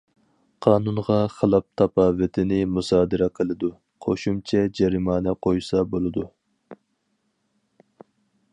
قانۇنغا خىلاپ تاپاۋىتىنى مۇسادىرە قىلىدۇ، قوشۇمچە جەرىمانە قويسا بولىدۇ.